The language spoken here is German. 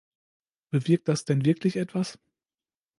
Bewirkt das denn wirklich etwas?